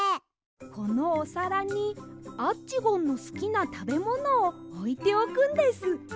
このおさらにアッチゴンのすきなたべものをおいておくんです。